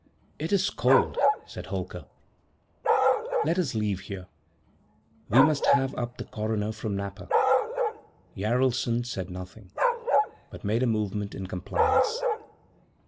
'It is cold,' said Holker; 'let us leave here; we must have up the coroner from Napa.' < 15 > Jaralson said nothing, but made a movement in compliance.